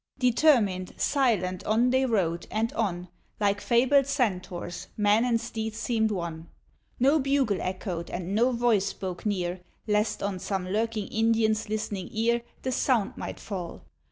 Determined, silent, on they rode, and on, Like fabled Centaurs, men and steeds seemed one. No bugle echoed and no voice spoke near, Lest on some lurking Indian's list'ning ear The sound might fall.